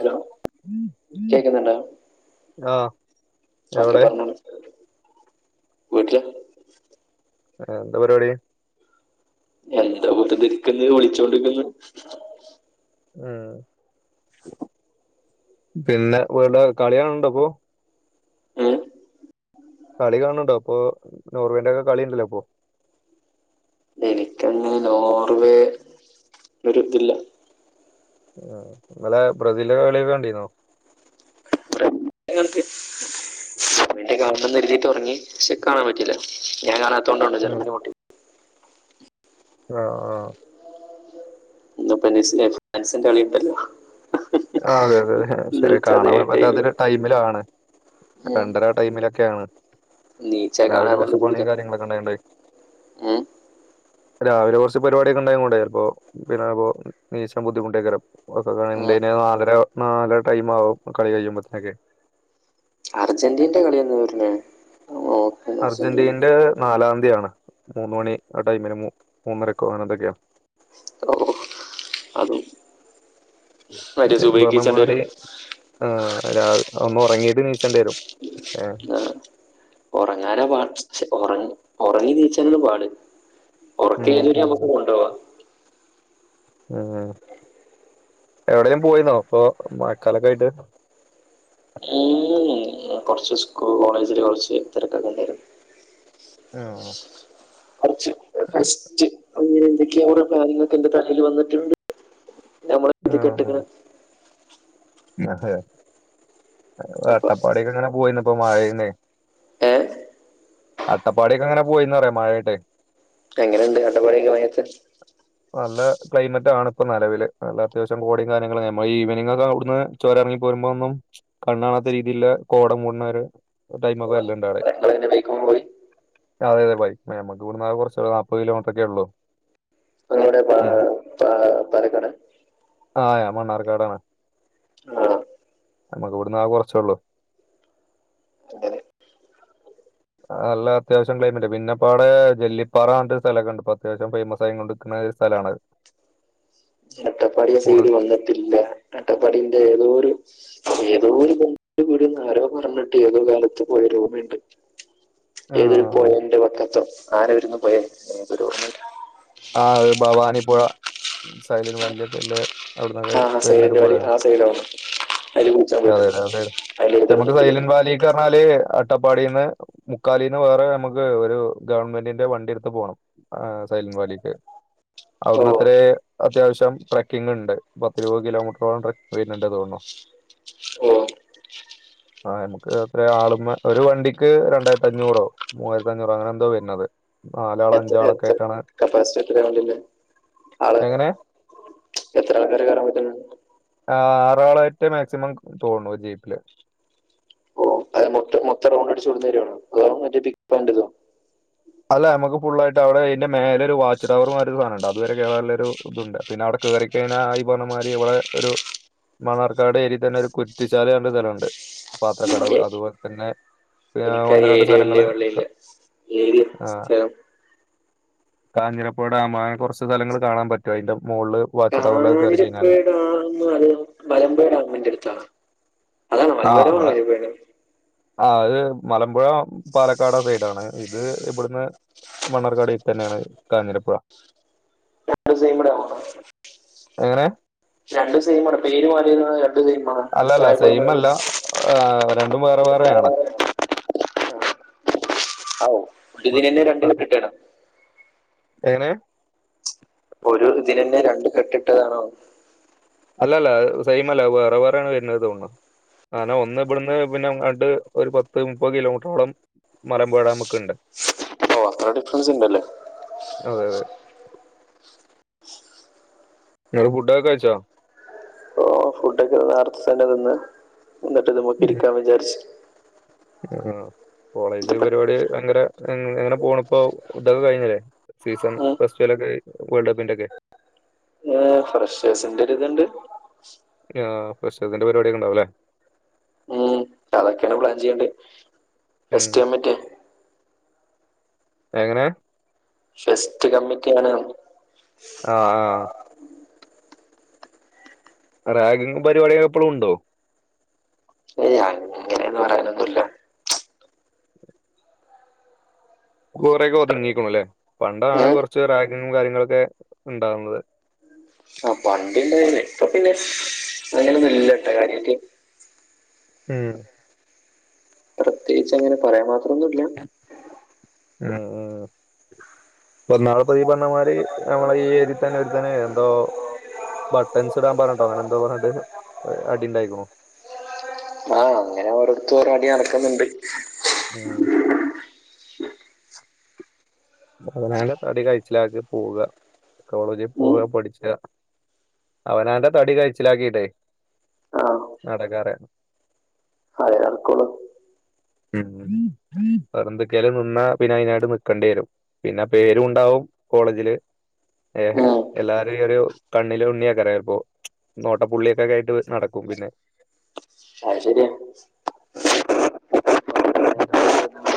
Hello ആഹ് ഒക്കെ പറഞ്ഞോളി വീട്ടില് എന്താ പരിപാടി എന്താ ബടെയിരിക്കന്ന് വിളിച്ചോണ്ടിക്കുന്നു ഉം പിന്നെ വടെ കളികാണുണ്ടോയിപ്പൊ ഉം കളി കാണുന്നുണ്ടോയിപ്പൊ നോർവേന്റെ ഒക്കെ കളിയിണ്ടല്ലോ പ്പോ എനിക്കങ്ങനെ നോർവേ ഒരിതില്ല ആ ഇന്നലെ ബ്രസീലിന്റെ കളിയൊക്കെ കണ്ടിരുന്നോ ക്ക് പിന്നെ കാണണംന്ന് കേര്തീട്ട് ഒറങ്ങി പക്ഷെ കാണാം പറ്റില്ല ഞാൻ കാണാ തോണ്ടാണ് ഉം. ചെലപ്പം ഇനി പൊട്ടി ആഹ് ആഹ് ഇന്നുപോ ഫ്രാൻസിന്റെ കളിണ്ടല്ലോ ആഹ് അതെ അതെ ശരി കാണാൻ ടൈം പറ്റാത്തൊരു ടൈമിലണ് രണ്ടര ടൈമിലൊക്കെയാണ് നീച്ച രാവിലെ കാണാന്നുള്ള കുറച്ചു രീതിയില പണീം കാര്യങ്ങളൊക്കെ ഉണ്ടായി ണ്ടായി രാവിലെ കുറച്ച് പരിപാടിയൊക്കെ ഉണ്ടായി കൊണ്ട് ചലപ്പോ പിന്നെപ്പോ നീച്ചാൻ ബുദ്ധിമുട്ടൊകാരം ക്കൊക്കെ എന്തിന് നാലര നാലര ടൈം ആകും കളി കഴിയുമ്പോത്തനൊക്കെ അർജന്റീനന്റെ കളിയന്ന വരണെ അഹ് അർജന്റീനന്റെ നാലാം തീയതിയാണ് മൂന്ന് മണി ആ ടൈമിന് മൂന്നരക്കോ അങ്ങനെ എന്തൊക്കെയാാണ് ഓ അതും മറ്റേ ഇജ് സുബൈക്ക് ഈച്ചേണ്ടി പറഞ്ഞമാരി വരും ആഹ് രാ ഒന്ന് ഉറങ്ങീട്ട് നീച്ചേണ്ടി വരും ഏഹ് ഒറങ്ങി ഒറങ്ങി നീച്ചാനണ് പാട് ഉം ഉറക്കതുവരെ ഉം നമുക്ക് കൊണ്ടോവാം ഉം എവിടെയും പോയിന്നോ ഇപ്പൊ മഴക്കാലൊക്കെ ആയിട്ട് ഉം, കുറച്ച് സ്കൂ കോളേജില് കുറച്ച് തിരക്കൊക്കെ ഉണ്ടായിട്ട് അഹ് കുറച് [inaudible] റ്റ് അങ്ങനെ എന്തൊക്ക അവരുടെ കാര്യങ്ങൾക്കെ എന്റെ തലൽ വന്നിട്ടുണ്ട് നമ്മളെ ഇത് ആഹ് കെട്ടിക്കണ ആഹ് അതെ അപ്പൊ അട്ടപ്പാടി ക്കെ അങ്ങനെ പോയിന്നപ്പൊ മഴേന്നെ ഏ അട്ടപ്പാടിക്കെ അങ്ങനെ പോയിന്ന് പറയാ മഴായിട്ടെ പ്പൊ എങ്ങനെണ്ട് അടപാടിയൊക്കെ മയത്ത് നല്ല ക്ലൈമറ്റ് ആണ് ഇപ്പ നിലവില് നല്ല അത്യാവശ്യം കോടിയും കാര്യങ്ങളും മ്മൾ ഈവനിങ് ഒക്കെ ഇവിടന്ന് ചൊര ഇറങ്ങി പോരുമ്പൊ ഒന്നും കണ്ണു കണാത്ത രീതിൽ കോടം മൂടണ വരെ ഒരു ടൈമക്കെ വരല്ലണ്ട് അവിടെ നിങ്ങൾ എങ്ങനെ ബൈക്കിമ്മേ പോയി അതെതെ ബൈകിമ്മേ നമ്മക്ക് ഇവടന്ന് കുറച്ചൊള്ളൂ നാൽത് കിലോമീറ്ററൊക്കെ ഉള്ളൂ നമ്മുടെ പാ ഏ, പാ പര ആ ഞാൻ മണ്ണാർക്കാടാണ് ആ നമ്മുക്ക് ഇവിടന്ന് ആകെ കുറച്ചേ ള്ളൂ അങ്ങനെ നല്ല അത്യാവശം ക്ലൈമറ്റ് പിന്നെപ്പ വിടെ വെല്ലി പ്പാറാ പറഞ്ഞിട്ട് സ്ഥലക്കണ്ട് ഇപ്പൊ അത്യാവശ്യം ഫേമസ് ആയ കൊണ്ട്കണേ സ് സ്ഥലാണത് അട്ടപ്പാടി ആ കൂടുതൽ സൈഡ് വന്നിട്ടില്ല അട്ടപ്പാടീന്റെ ഏതോരു ഏതോ ഒരു ബന്തുകുടീന്ന് ആരോ പറഞ്ഞിട്ട് ഏതോ കാലത്ത് പോയരു ഓർമ്മയുണ്ട് ആ ഏതൊരു പോയേന്റെ വക്കത്ത്ആരവിരുന്ന് പോയെഎനിക്കൊരു ഓർമ്മ ഇല്ല ആഹ് അഹ് അത് ഭവാനിപ്പുഴ സൈഡില് പള്ളി ഒക്കെ ഇല്ലേ അവിടന്നൊക്കെ ആ ആ വരുന്ന ഒരു സൈഡിന്റെ പുഴ വഴി ആണ് ആ സൈഡാണ് അതിൽ കുളിച്ചാൻ പോയിട്ടുണ്ട് അതെയതെ അതെ അതിൽ ഏതൊരു നമുക്ക് മുക്കില് സൈലന്റ് വാലിക്ക് പറഞ്ഞാല് അട്ടപ്പാടിന്ന് മുക്കാലീന്ന് വേറെ നമുക്ക് ഒരു ഗവൺമെന്റിന്റെ വണ്ടി എടുത്ത് പോണം സൈലന്റ് വാലി ക്ക് ഓ അവിടുന്ന് അത്രേ അത്യാവശ്യം ട്രക്കിംങ് ണ്ട് പത്തിരുപത് കിലോമീറ്ററോളം ട്രക്കിംങ് വരുന്നുണ്ട് തോന്നുന്നു ആഹ് ആഹ നമുക്ക് അത്ര ആളന്ന് ഒരു വണ്ടിക്ക് രണ്ടായിരത്തി അഞ്ഞൂറോ മൂവായിരത്തി അഞ്ഞൂറോ അങ്ങനെ എന്തോ വരുന്നത് നാലാളോ അഞ്ചാളൊക്കെ ആയിട്ടാണ് ഫസ്റ്റ് എത്രെ വാണ്ടീന്ന്. എങ്ങനെ എത്രയാൾക്കാര് കയറാൻ പറ്റാ ആ ആറാളായിറ്റ മാക്സിമം തോന്ന് ണു ജീപ്പില് ഓ അത് മൊത്തം മൊത്തം റൗണ്ടട്ച്ചോ ടുന്നൊരാണോ അതോ മറ്റതിപ്പാൻ്റതൊ അല്ല നമക്ക് ഫുള്ളായിട്ട് അവടെ അയ്ൻ്റെ മേലെ രു വാച്ച് ടവർമാതിരി ഒരു സാനണ്ട് അതുവരെ കേറാള്ളൊര് ഇതുണ്ട് പിന്നെ അവിടെ കേയറിക്കഴിഞ്ഞ ഈ പറഞ്ഞ മാതിരി ഇവിടെ ഒരു മണ്ണാർക്കാട് ഏരീ തന്നെ ഒരു കുറ്റിച്ചാല് ന്ന് പറഞ്ഞ സ്ഥലണ്ട് പാത്രക്കടവ് അതുപോലെ തന്നെ ഏഹ് എനിക്ക് ആ ഒന്ന് രണ്ട് ഏരിയ വല്യ സ്ഥലങ്ങള് വെളി യില്യ ഏട്യാ സ്ഥലം കാഞ്ഞിരപ്പാടെ ആ മാ കൊറച്ച് സ്ഥലങ്ങൾ കാണാൻ പറ്റും അയ്ന്റ മോള് വാച്ച് ടവറ് മുതിരപുഴ ഡാംന്ന് പറിണത് മലമ്പുഴ ഡാമിന്റെടുത്താണാ ആ വടെ ആ അത് മലമ്പുഴ പാലക്കാടാസൈഡാണ് ഇത് ഇവിടുന്ന് മണ്ണാർക്കാട് തന്നെയാണ് കാഞ്ഞിരപ്പുഴ രണ്ടും സൈംമ്ടാവുന്ന എങ്ങനെ രണ്ടും സെയിമാണ് പേര് മാ രണ്ടും അല്ലല്ല സെയിം സൈമാണ് അല്ല. ആഹ് രണ്ടും വേറെ വേറെയാണ്. [unintelligible] അ അൗ മ ഇതിനന്നെ രണ്ട് മറ്റേ കെട്ടിട്ടേണൊ എങ്ങനെ ഒരു ഇതിനന്നെ രണ്ട് കെട്ടിട്ടതാണോ അല്ലല്ല സൈമല്ല വേറെ വേറാണ് വര്ണത് തോന്ന്ണ് അങ്ങനെ ഒന്ന് ഇബട്ന്ന് പിന്നെ ആണ്ട് ഒരു പത്ത് മുപ്പത് കിലോമീറ്ററോളം മലമ്പുഴ ഡാമൊക്കെണ്ട് ഓ അത്ര അടുത്തൊന്നും [unintelligible] അതെ അതെ ങ്ങള് ഫുഡൊക്കെ കയ്ച്ചൊ ഓ ഫുഡൊക്കെ നേറ്ത്സ്ത്തന്നെ തിന്ന് ഇന്നട്ട് പൊട്ടിരിക്കാന്നിചാരിച്ച് ആ കോളേജ് ഇതിപ്പോ പരിപാടി എങ്ങന എങ്ങനെ പോണ ഇപ്പോ ഇതൊക്കെ കഴിഞ്ഞല്ലേ സീസൺ ഫസ്റ്റ് വലൊക്കായി വേൾഡ് കപ്പിന്റെ ഒക്കെ ന്നേ ഫ്രഷേ്സിന്റെരിതുണ്ട് ആ ഫ്രഷേസിൻ്റെ പരിവാടി യൊക്കെ ഇണ്ടാവുലെ ക്യാണ് പ്ലാൻ ചെയ്യണ്ടെ ഉം. ഫസ്റ്റക്കമിറ്റ്യ എങ്ങനെ ഫെസ്റ്റ് കമ്മിറ്റ്യാണ്ന് ആഹ് അഹ്. റാഗിങ് പരിപാടികളൊക്കെ ഇപ്പളുണ്ടൊ ഏഹ് അങ്ങനൊന്ന് പറയാനൊന്നുല്ല ഗോറെക്കെ ഒതുങ്ങിക്കുണുല്ലേ ഏ പണ്ടാണ് കൊറച്ച് റാഗിങ്ങും കാര്യങ്ങളൊക്കെ ഉണ്ടാകുന്നത് ആഹ് പണ്ട് ഇണ്ടായിന്ന് ഇപ്പൊ പിന്നെ അങ്ങനെ ന്ന്ന്നുല്ല ട്ടോ കാര്യായ്ട്ട് ഉം പ്രത്യേകിച്ച് അങ്ങനെ പറയാൻ മാത്ര ഒന്നുല്ല ഉം ഉം പ്പന്നാള്പ്പ ഈ പറഞ്ഞ മാതിരി ഞമ്മളീ ഏരി തന്നെ ഒരുത്തനെ എന്തോ ബട്ടൺസ് ഇടാൻ പറഞ്ഞ്ട്ടോ അങ്ങനെ എന്തോ പറഞ്ഞിട്ട് അടി ഉണ്ടായിക്ക്ണു ആഹ് അങ്ങനെ ഓരോട്ത്തു ഓരോ അടി നടക്ന്ന്ണ്ട് ഉം [inaudible] അവനാൻ്റെ തടി കയിച്ചിലാക്കി പോക. കോളേജ് പോക ഉം പഠിച്ച്ക്ക അവനാൻ്റെ തടി കയ്ചിലാക്കിട്ടെയ് ആഹ് നടക്കാറ് അതേ നടക്കൊള്ളു ഉം വേറെന്ത്ക്കേലും നിന്നാ പിന്നയ് നായിട്ട് നിക്കണ്ടേരും പിന്നെ പേരുണ്ടാവും കോളേജില് ഏഹ് ഹെ ഉം എല്ലാരെം ഒരു കണ്ണില് ഉണ്ണിയാക്കരം ചെൽപ്പൊ നോട്ടപ്പുള്ളിയൊക്കൊക്കെ ആയിട്ട് നടക്കും പിന്നെ ആയ്ശെരിയ [inaudible]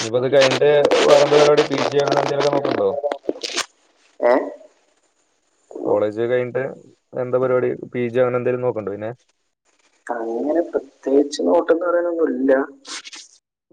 ഇനിപ്പത് കഴിഞ്ഞ്ട്ട് വേറെന്താ പരിപാടി. പി ജിയോ അങ്ങനെ എന്തെലൊക്കെ നോക്ക്ണ്ടോ ഏ കോളേജ് കഴിഞ്ഞട്ട് എന്താ പരിപാടി. പി ജി അങ്ങനെ എന്തേലും നോക്ക്ണ്ടോ പിന്നെ അങ്ങനെ പ്രത് പ്രത്യേകിച്ച് നോട്ടന്ന് പറയാനൊന്നു ഇല്ല